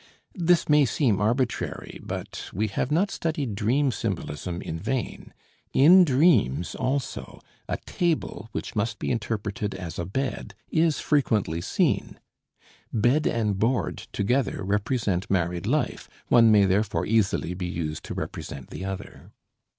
This may seem arbitrary, but we have not studied dream symbolism in vain. In dreams also a table which must be interpreted as a bed, is frequently seen. "Bed and board" together represent married life, one may therefore easily be used to represent the other.